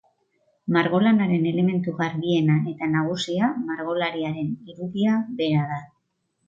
Margolanaren elementu garbiena eta nagusia margolariaren irudia bera da.